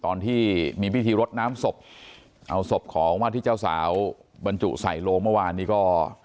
ตอนที่มีพิธีรดน้ำศพเอาศพของวาดที่เจ้าสาวบรรจุใส่โลงเมื่อวานนี้ก็